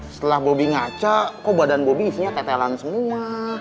setelah bobi ngaca kok badan bobi isinya ketelan semua